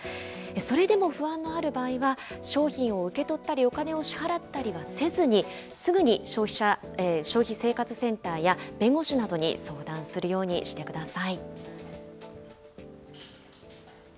それでも不安のある場合は、商品を受け取ったりお金を支払ったりはせずに、すぐに消費生活センターや、弁護士などに相談するようにしてください。